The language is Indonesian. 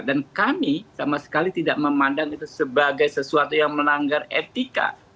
kami sama sekali tidak memandang itu sebagai sesuatu yang melanggar etika